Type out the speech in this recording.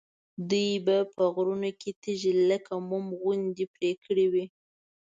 دوی به په غرونو کې تیږې لکه موم غوندې پرې کړې وي.